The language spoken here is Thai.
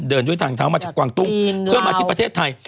เดินด้วยทางเท้ามาจากกวางตุ้งเพื่อมาที่ประเทศไทย